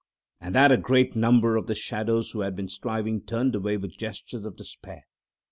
At that a great number of the shadows who had been striving turned away with gestures of despair.